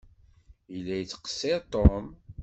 Yella yettqeṣṣiṛ Tom?